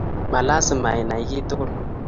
malazima inai keitugul